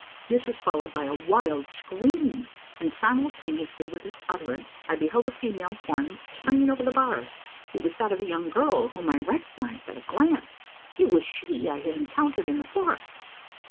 This was followed by a wild scream; and, simultaneously with its utterance, I beheld a female form springing over the bars! It was that of a young girl, whom I recognised at a glance. It was she I had encountered in the forest!